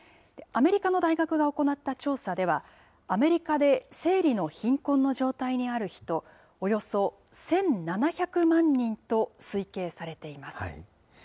アメリカの大学が行った調査では、アメリカで生理の貧困の状態にある人、およそ１７００万人と推計されています。